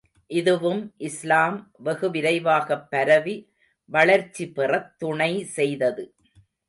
இதுவும் இஸ்லாம் வெகு விரைவாகப் பரவி, வளர்ச்சி பெறத் துணை செய்தது.